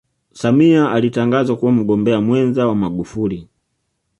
samia alitangazwa kuwa mgombea mwenza wa magufuli